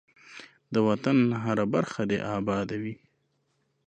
ده وطن هره برخه دی اباده وی.